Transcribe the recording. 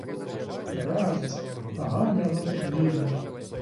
Радість, гамір на подвір'ї.